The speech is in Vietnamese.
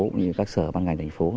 cũng như các sở băng ngành thành phố